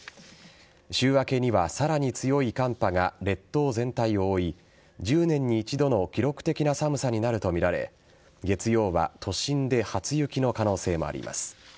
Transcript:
週明けには、さらに強い寒波が列島全体を覆い１０年に１度の記録的な寒さになるとみられ月曜は都心で初雪の可能性もあります。